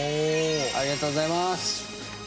ありがとうございます。